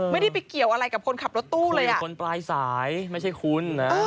ไม่ได้ไปเกี่ยวอะไรกับคนขับรถตู้เลยอ่ะคนปลายสายไม่ใช่คุณนะ